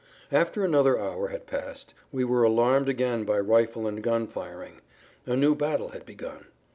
After another hour had passed we were alarmed again by rifle and gun firing; a new battle had begun.